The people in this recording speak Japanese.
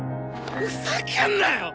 ふざけんなよ！